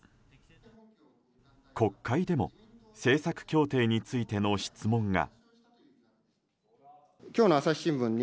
国会でも政策協定についての質問が。